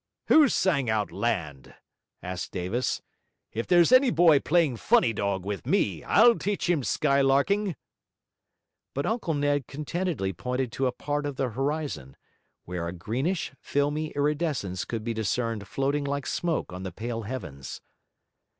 'Who sang out land?' asked Davis. 'If there's any boy playing funny dog with me, I'll teach him skylarking!' But Uncle Ned contentedly pointed to a part of the horizon, where a greenish, filmy iridescence could be discerned floating like smoke on the pale heavens.